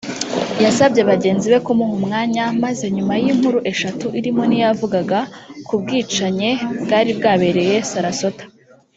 yasabye bagenzi be kumuha umwanya maze nyuma y’inkuru eshatu irimo niyavugaga ku bwicanye bwari bwabereye Sarasota